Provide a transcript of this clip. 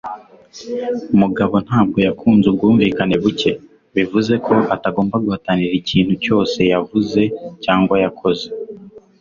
Mugabo ntabwo yakunze ubwumvikane buke, bivuze ko atagomba guhatanira ikintu cyose yavuze cyangwa yakoze.